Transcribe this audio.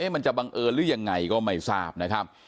มันจะบังเอิญหรือยังไงก็ไม่ทราบนะครับ